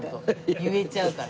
言えちゃうから。